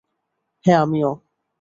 হ্যাঁ, আমিও।